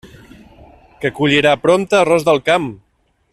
Que collira prompte arròs del camp!